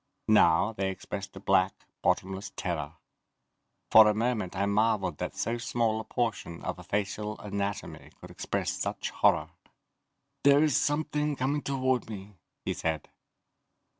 Now they expressed a black, bottomless terror. For a moment I marveled that so small a portion of a facial anatomy could express such horror. "There is something coming toward me," he said.